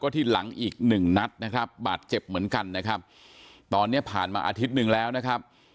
ที่หลังอีกหนึ่งนัดนะครับบาดเจ็บเหมือนกันนะครับตอนเนี้ยผ่านมาอาทิตย์หนึ่งแล้วนะครับ